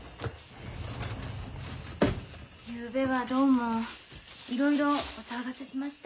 ゆうべはどうもいろいろお騒がせしました。